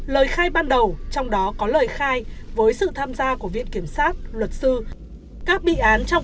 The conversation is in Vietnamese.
lời khai ban đầu trong đó có lời khai với sự tham gia của viện kiểm sát luật sư các bi án trong